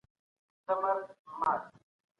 تحقیقي ادب د تېرو پېښو سپړنه کوي.